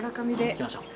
行きましょう。